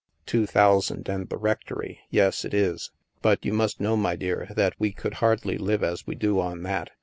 " Two thousand and the rectory ; yes, it is. But you must know, my dear, that we could hardly live as we do on that.